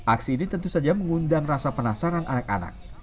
aksi ini tentu saja mengundang rasa penasaran anak anak